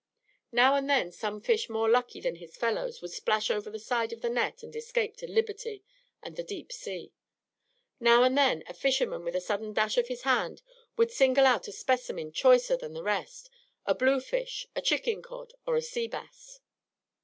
Now and then some fish more lucky than his fellows would splash over the side of the net and escape to liberty and the deep sea; now and then a fisherman with a sudden dash of his hand would single out a specimen choicer than the rest, a blue fish, a chicken cod, or a sea bass.